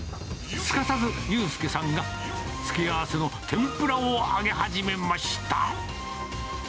すかさず悠佑さんが付け合わせの天ぷらを揚げ始めました。